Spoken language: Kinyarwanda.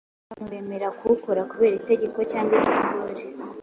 Abantu bemera kuwukora kubera itegeko cyangwa igitsure,